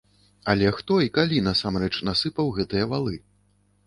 Але хто і калі насамрэч насыпаў гэтыя валы?